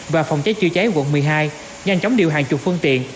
và phòng cháy chữa cháy quận một mươi hai nhanh chóng điều hàng chục phương tiện